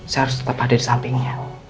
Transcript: saya harus tetap ada di sampingnya